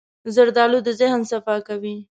زردالو د ذهن صفا کوي.